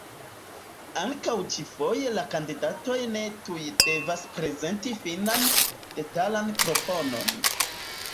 Ankaŭ ĉi-foje la kandidatoj ne tuj devas prezenti finan, detalan proponon.